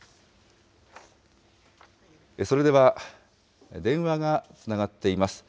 それでは、電話がつながっています。